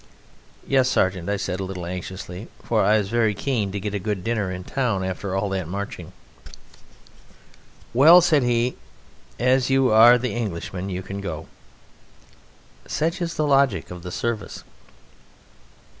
"Yes, Sergeant," said I a little anxiously (for I was very keen to get a good dinner in town after all that marching). "Well," said he, "as you are the Englishman you can go." Such is the logic of the service.